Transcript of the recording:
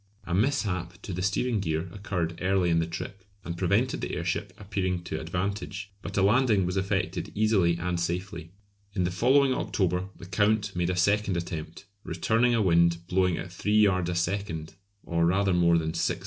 A mishap to the steering gear occurred early in the trip, and prevented the airship appearing to advantage, but a landing was effected easily and safely. In the following October the Count made a second attempt, returning against a wind blowing at three yards a second, or rather more than six miles an hour.